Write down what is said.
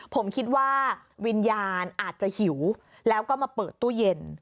ผมคิดว่าวิญญาณอาจจะหิวแล้วก็มาเปิดตู้เย็น